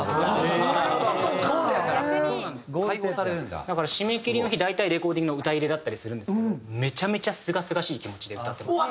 だから締め切りの日大体レコーディングの歌入れだったりするんですけどめちゃめちゃすがすがしい気持ちで歌ってます。